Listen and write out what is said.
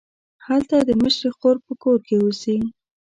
هلته د مشرې خور په کور کې اوسي.